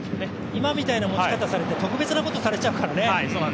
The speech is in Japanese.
今みたいな持ち方されると、特別なことしちゃうからね。